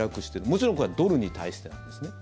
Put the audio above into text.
もちろん、これはドルに対してなんですね。